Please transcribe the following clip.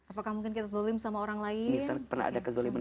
apakah mungkin kita zolim sama orang lain pernah ada kezoliman